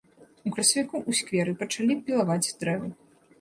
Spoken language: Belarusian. У красавіку ў скверы пачалі пілаваць дрэвы.